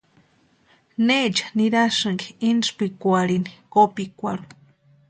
¿Necha nirasïnki intspikwarhini kopikwarhu?